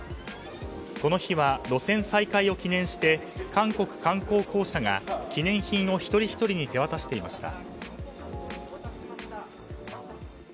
この日は路線再開を記念して韓国観光公社が、記念品を一人ひとりに手渡していました。